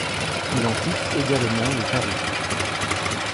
Il en fixe également les tarifs.